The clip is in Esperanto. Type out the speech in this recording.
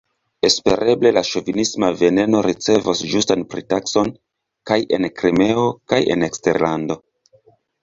Espereble la ŝovinisma veneno ricevos ĝustan pritakson kaj en Krimeo kaj en eksterlando.